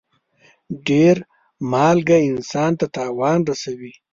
ډېر مالګه انسان ته تاوان رسوي.